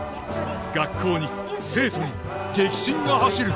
学校に生徒に激震が走る。